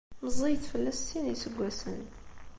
Meẓẓiyet fell-as s sin n yiseggasen.